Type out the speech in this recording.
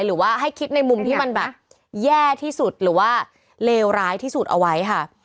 หรือว่าให้คิดในมุมที่มันแบบแย่ที่สุดหรือว่าเลวร้ายที่สุดเอาไว้ค่ะ